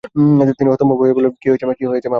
তিনি হতভম্ব হয়ে বললেন, কী হয়েছে মা?